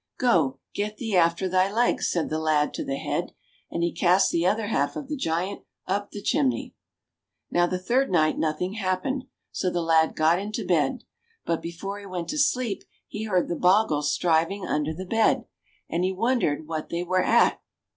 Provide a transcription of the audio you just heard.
"Go, get thee after thy legs," said the lad to the head, and he cast the other half of the giant up the chimney. Now the third night nothing happened, so the lad got into bed ; but before he went to sleep he heard the bogles striving under the bed, and he wondered what they were at.